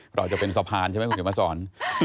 พอจะเป็นสะพานใช่ไหมผมจะมาสอน